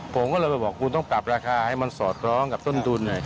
ผมก็เลยไปบอกคุณต้องปรับราคาให้มันสอดคล้องกับต้นทุนหน่อย